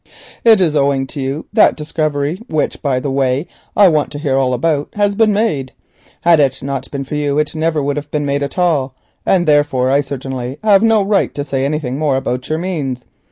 It is owing to you that this discovery, which by the way I want to hear all about, has been made; had it not been for you it never would have been made at all, and therefore I certainly have no right to say anything more about your means.